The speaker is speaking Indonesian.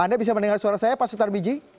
anda bisa mendengar suara saya pak sutar miji